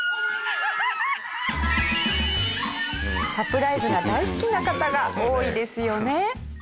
サプライズが大好きな方が多いですよね。